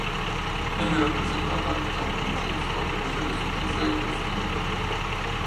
Viene rappresentato anche san Francesco che riceve su di sé le stimmate.